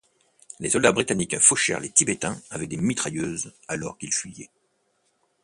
Les soldats britanniques fauchèrent les Tibétains avec des mitrailleuses alors qu'ils fuyaient.